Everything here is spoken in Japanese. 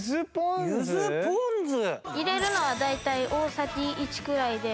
入れるのは大体大さじ１くらいで。